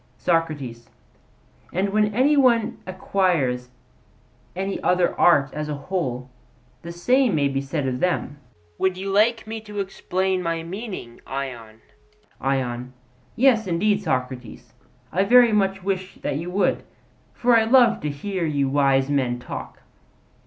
SOCRATES: And when any one acquires any other art as a whole, the same may be said of them. Would you like me to explain my meaning, Ion? ION: Yes, indeed, Socrates; I very much wish that you would: for I love to hear you wise men talk.